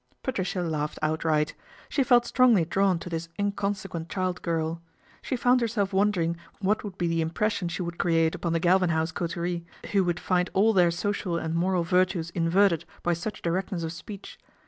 Patricia laughed outright. She felt strong!] drawn to this inconsequent child girl. She foun< herself wondering what would be the impressioi she would create upon the Galvin House coterie who would find all their social and moral virtue inverted by such directness of speech.